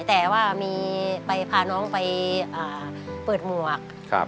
แต่ว่ามีไปพาน้องไปเปิดหมวก